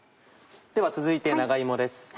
では続いて長芋です。